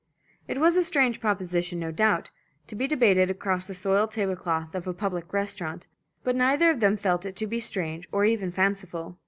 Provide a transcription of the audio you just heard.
It was a strange proposition, no doubt, to be debated across the soiled tablecloth of a public restaurant, but neither of them felt it to be strange or even fanciful.